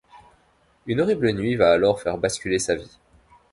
Une horrible nuit va alors faire basculer sa vie.